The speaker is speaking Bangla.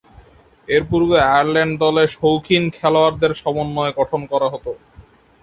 এরপূর্বে আয়ারল্যান্ড দলে শৌখিন খেলোয়াড়দের সমন্বয়ে গঠন করা হতো।